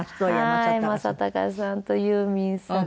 正隆さんとユーミンさん。